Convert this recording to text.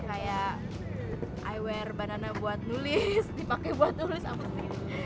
kayak iwerbanana buat nulis dipakai buat nulis apa sih